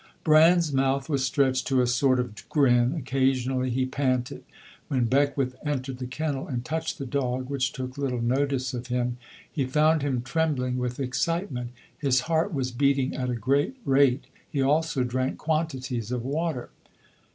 Bran's mouth was stretched to "a sort of grin"; occasionally he panted. When Beckwith entered the kennel and touched the dog (which took little notice of him) he found him trembling with excitement. His heart was beating at a great rate. He also drank quantities of water.